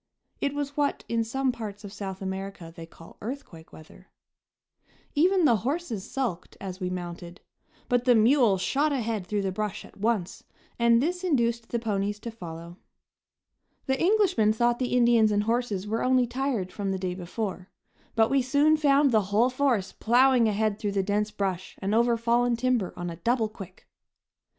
It was what in some parts of South America they call "earthquake weather." Even the horses sulked as we mounted; but the mule shot ahead through the brush at once, and this induced the ponies to follow. The Englishmen thought the Indians and horses were only tired from the day before, but we soon found the whole force plowing ahead through the dense brush and over fallen timber on a double quick.